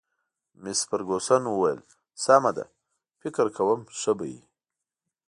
مس فرګوسن وویل: سمه ده، فکر کوم ښه به وي.